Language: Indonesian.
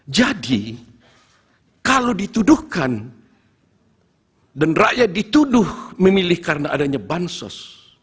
jadi kalau dituduhkan dan rakyat dituduh memilih karena adanya bansos